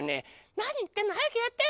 なにいってんのはやくやって！